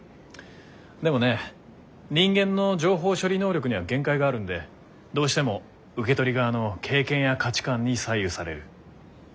でもね人間の情報処理能力には限界があるんでどうしても受け取り側の経験や価値観に左右される。